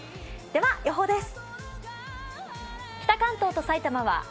では予報です。